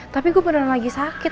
tapi gue beneran lagi sakit